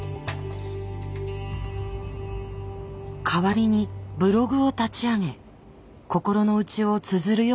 代わりにブログを立ち上げ心の内をつづるようになったんです。